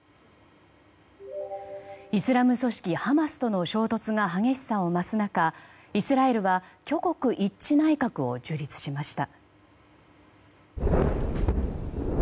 イスラム組織ハマスとの衝突が激しさを増す中イスラエルは挙国一致内閣を樹立しました。